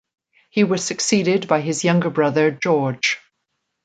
He was succeeded by his younger brother George.